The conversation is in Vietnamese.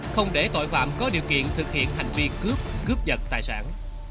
không để tội phạm có điều kiện thực hiện hành vi cướp cướp giật tài sản